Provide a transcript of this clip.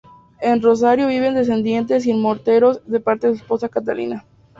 En Rosario viven descendientes y en Morteros, de parte de su esposa Catalina.